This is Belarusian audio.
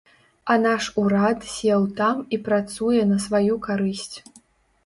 А наш урад сеў там і працуе на сваю карысць.